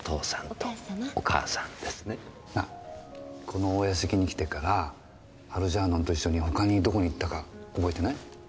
このお屋敷に来てからアルジャーノンと一緒に他にどこに行ったか覚えてない？